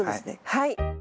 はい。